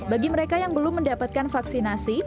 bagi mereka yang belum mendapatkan vaksinasi